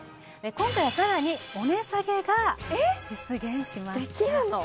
今回は更にお値下げが実現しましたできるの？